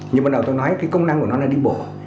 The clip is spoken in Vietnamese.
nhưng bắt đầu tôi nói cái công năng của nó là đi bộ